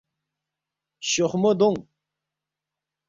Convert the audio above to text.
”شوخمو دونگ